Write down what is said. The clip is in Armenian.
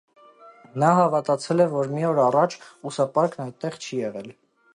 Նա հավաստիացրել է, որ մի օր առաջ ուսապարկն այդտեղ չի եղել։